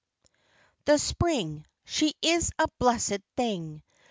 'T'HE Spring — she is a blessed thing